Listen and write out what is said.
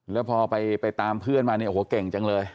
แล้วพอไปตามเพื่อนมาเนี่ยโอ้โหเก่งจังเลย